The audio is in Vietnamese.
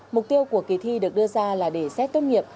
mục tiêu của kỳ thi được đưa ra là để xét tốt nghiệp